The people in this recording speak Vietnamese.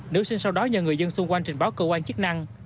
nữ sinh sau đó nhờ người dân xung quanh trình báo cơ quan chức năng